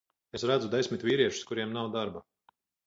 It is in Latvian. Es redzu desmit vīriešus, kuriem nav darba.